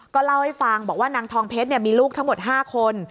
ก็เล่าให้ฟังบอกว่านางทองเพชรมีลูกทั้งหมด๕คน